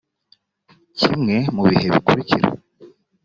kimwe mu bihe bikurikira